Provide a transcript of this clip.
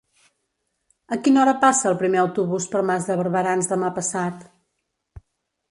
A quina hora passa el primer autobús per Mas de Barberans demà passat?